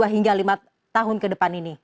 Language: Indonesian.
dua hingga lima tahun ke depan ini